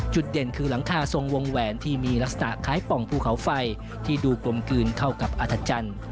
เด่นคือหลังคาทรงวงแหวนที่มีลักษณะคล้ายป่องภูเขาไฟที่ดูกลมกลืนเท่ากับอัธจันทร์